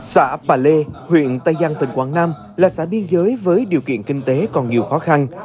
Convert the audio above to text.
xã bà lê huyện tây giang tỉnh quảng nam là xã biên giới với điều kiện kinh tế còn nhiều khó khăn